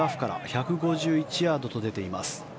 １５１ヤードと出ています。